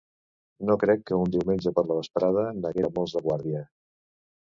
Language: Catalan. No crec que un diumenge per la vesprada n'haguera molts de guàrdia.